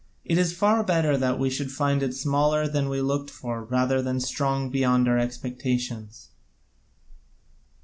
It is far better that we should find it smaller than we looked for rather than strong beyond our expectations."